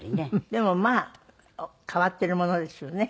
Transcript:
でもまあ変わってるものですよね。